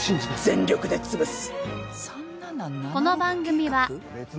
全力で潰す。